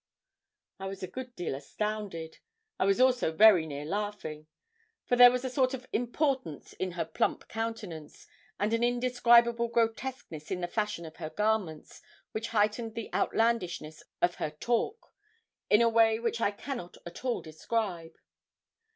I was a good deal astounded. I was also very near laughing, for there was a sort of importance in her plump countenance, and an indescribable grotesqueness in the fashion of her garments, which heightened the outlandishness of her talk, in a way which I cannot at all describe.